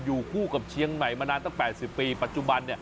อยู่คู่กับเชียงใหม่มานานตั้ง๘๐ปีปัจจุบัน